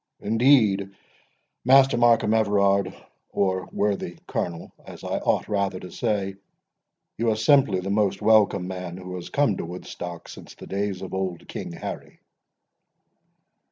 —Indeed, Master Markham Everard,—or worthy Colonel, as I ought rather to say—you are simply the most welcome man who has come to Woodstock since the days of old King Harry."